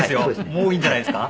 もういいんじゃないですか。